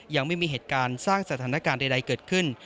ยังไม่มีเหตุการณ์สร้างสถานการณ์ใดเกิดขึ้น